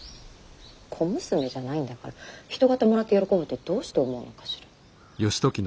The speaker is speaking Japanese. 小娘じゃないんだから人形もらって喜ぶってどうして思うのかしら。